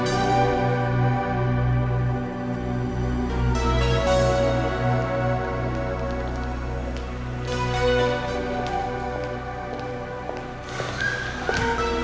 nggak udah hitung